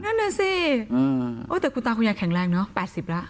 นั่นน่ะสิแต่คุณตาคุณยายแข็งแรงเนอะ๘๐แล้ว